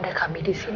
ada kami disini